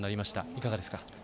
いかがですか。